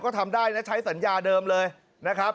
ก็ทำได้นะใช้สัญญาเดิมเลยนะครับ